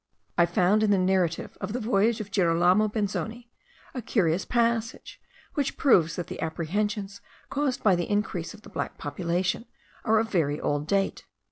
I found in the narrative of the voyage of Girolamo Benzoni, a curious passage, which proves that the apprehensions caused by the increase of the black population are of very old date.